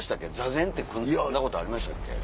坐禅組んだことありましたっけ？